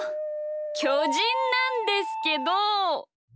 きょじんなんですけど！